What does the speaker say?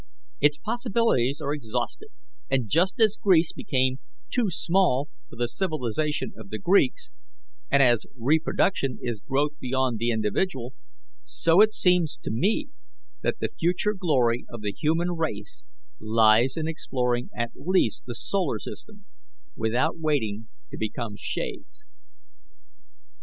Its possibilities are exhausted; and just as Greece became too small for the civilization of the Greeks, and as reproduction is growth beyond the individual, so it seems to me that the future glory of the human race lies in exploring at least the solar system, without waiting to become shades."